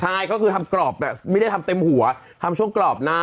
ใช่ก็คือทำกรอบแบบไม่ได้ทำเต็มหัวทำช่วงกรอบหน้า